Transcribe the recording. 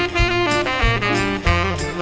สวัสดีครับ